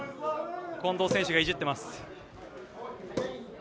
近藤選手がいじってます。